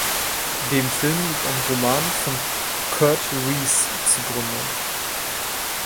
Dem Film liegt ein Roman von Curt Riess zugrunde.